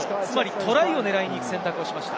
トライを狙いにいく選択をしました。